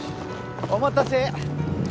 お待たせ。